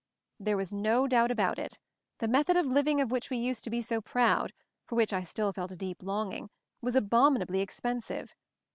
There was no doubt about it. The method of living of which we used to be so proud, for which I still felt a deep longing, was abominably expensive.